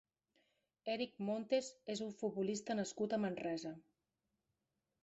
Eric Montes és un futbolista nascut a Manresa.